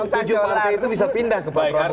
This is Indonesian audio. kalau tujuh partai itu bisa pindah ke pak prabowo